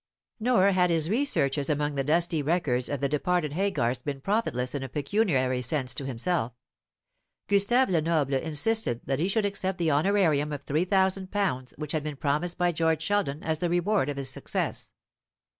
Nor had his researches among the dusty records of the departed Haygarths been profitless in a pecuniary sense to himself. Gustave Lenoble insisted that he should accept that honorarium of three thousand pounds which had been promised by George Sheldon as the reward of his success.